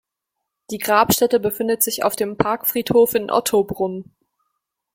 Die Grabstätte befindet sich auf dem Parkfriedhof in Ottobrunn.